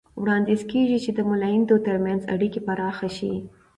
وړاندیز کېږي چې د مؤلدینو ترمنځ اړیکې پراخه شي.